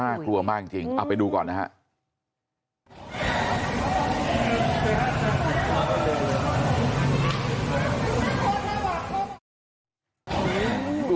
กลัวมากจริงเอาไปดูก่อนนะครับ